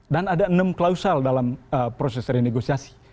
dan ada enam klausal dalam proses renegosiasi